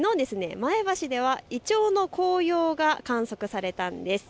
前橋ではイチョウの黄葉が観測されたんです。